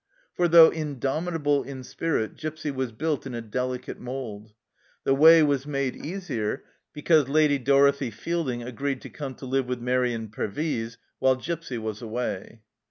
For though indomitable in spirit, Gipsy was built in a delicate mould. The way was made easier because Lady Dorothie Feilding agreed to come to live with Mairi in Pervyse while Gipsy was away.